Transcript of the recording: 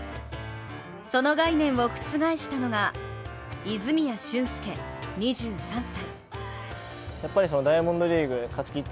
その概念を覆したのが泉谷駿介２３歳。